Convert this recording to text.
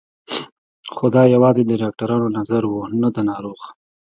خو دا يوازې د ډاکترانو نظر و نه د ناروغ.